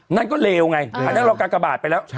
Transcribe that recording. นั่นก็เลวไงอันนั้นเรากากบาทไปแล้ว